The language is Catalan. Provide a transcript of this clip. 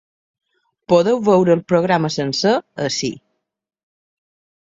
Podeu veure el programa sencer ací.